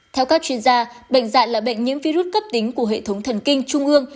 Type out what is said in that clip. theo các chuyên gia bệnh dại là bệnh nhiễm virus cấp tính của hệ thống thần kinh trung ương